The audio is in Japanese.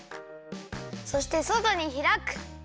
そしてそとにひらく。